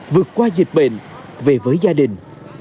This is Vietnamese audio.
vượt qua dịch bệnh về với gia đình